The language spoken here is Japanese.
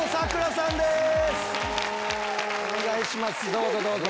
どうぞどうぞ。